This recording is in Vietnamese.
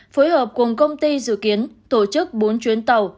phối hợp cùng công ty dự kiến tổ chức bốn chuyến tàu